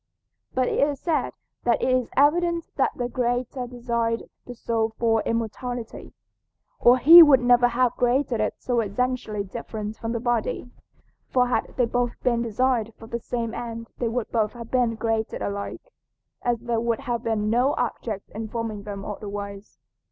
But it is said that it is evident that the Creator designed the soul for immortality, or he would never have created it so essentially different from the body, for had they both been designed for the same end they would both have been created alike, as there would have been no object in forming them otherwise.